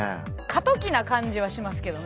過渡期な感じはしますけどね。